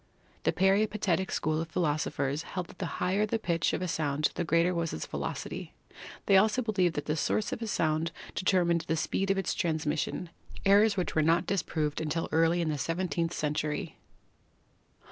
The peripatetic school of philosophers held that the higher the pitch of a sound the greater was its velocity; they also believed that the source of a sound determined the speed of its transmission, errors which were not disproved until early in the seventeenth century.